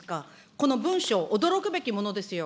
この文書、驚くべきものですよ。